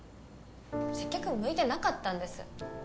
接客向いてなかったんです。